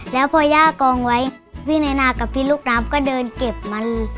แล้วพอย่ากองไว้พี่นายนากับพี่ลูกน้ำก็เดินเก็บมัน